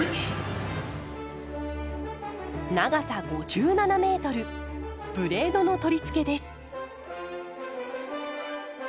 長さ５７メートルブレードの取り付けです。